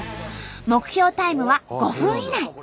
目標タイムは５分以内。